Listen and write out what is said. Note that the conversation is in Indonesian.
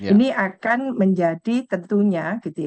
ini akan menjadi tentunya